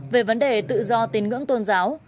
về vấn đề tự do tín ngưỡng tôn giáo